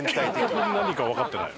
結局何かわかってない。